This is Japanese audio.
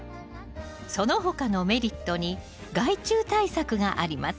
その他のメリットに害虫対策があります。